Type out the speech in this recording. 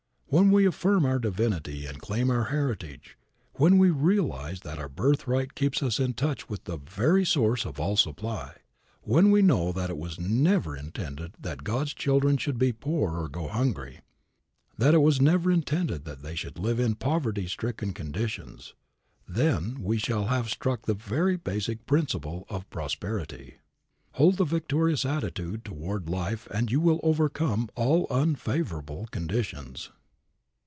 When we affirm our divinity, and claim our heritage; when we realize that our birthright keeps us in touch with the very Source of all supply, when we know that it was never intended that God's children should be poor or go hungry, that it was never intended they should live in poverty stricken conditions, then we shall have struck the very basic principle of prosperity. Hold the victorious attitude toward life and you will overcome all unfavorable conditions.